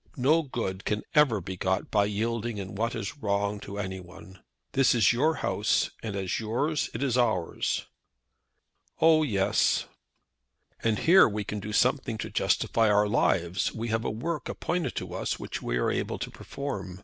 No good can ever be got by yielding in what is wrong to any one. This is your house; and as yours it is ours." "Oh, yes." "And here we can do something to justify our lives. We have a work appointed to us which we are able to perform.